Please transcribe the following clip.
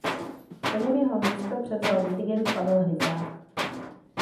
Po něm jeho místo převzal dirigent Pavel Hryzák.